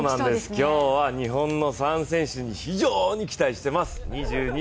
今日は日本の３選手に非常に期待してます。